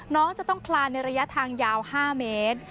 น้องจะต้องคลานในระยะทางยาว๕เมตร